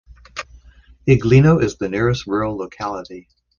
Iglino is the nearest rural locality.